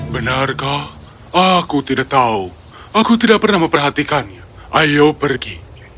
benarkah aku tidak tahu aku tidak pernah memperhatikannya ayo pergi